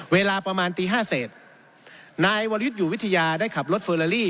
เวลาประมาณตีห้าเศษนายวริสอยู่วิทยาได้ขับรถเฟอร์ลาลี่